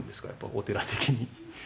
お寺的に。